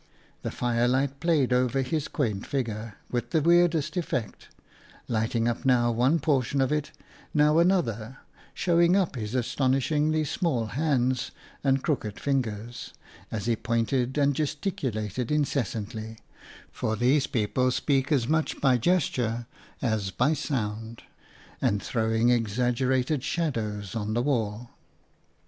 The firelight played over his quaint figure with the weirdest effect, lighting up now one portion of it, now another, show ing up his astonishingly small hands and crooked fingers, as he pointed and gesticulated incessantly — for these people speak as much PLACE AND PEOPLE 9 by gesture as by sound — and throwing exag gerated shadows on the wall.